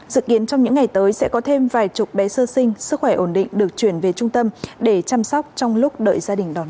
dự kiến trong những ngày tới sẽ có thêm vài chục bé sơ sinh sức khỏe ổn định được chuyển về trung tâm để chăm sóc trong lúc đợi gia đình đón